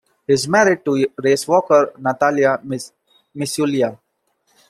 He is married to racewalker Natalya Misyulya.